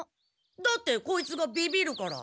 だってこいつがビビるから。